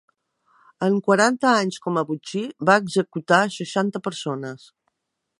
En quaranta anys com a botxí, va executar a seixanta persones.